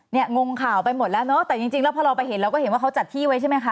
งงข่าวไปหมดแล้วเนอะแต่จริงแล้วพอเราไปเห็นเราก็เห็นว่าเขาจัดที่ไว้ใช่ไหมคะ